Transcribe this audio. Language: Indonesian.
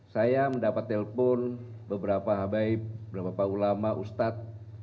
saya mendapat telpon beberapa habib beberapa ulama ustad